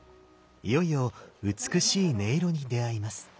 いよいよ美しい音色に出会います。